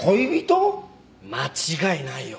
間違いないよ。